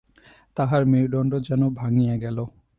তাঁহার মেরুদণ্ড যেন ভাঙিয়া গেল।